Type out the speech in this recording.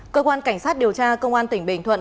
cơ quan cảnh sát điều tra công an tỉnh bình thuận